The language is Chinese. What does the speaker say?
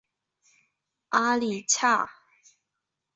阿里恰。